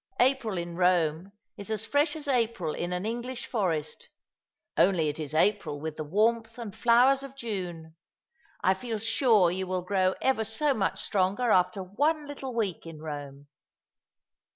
April in Rome is as fresh as April in an English forest; only it is April with the warmth and flowers of June. I feel sure you will grow ever so much stronger after one little week in Rome."